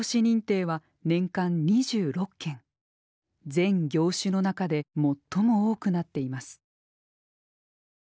全業種の中で最も多くなっています。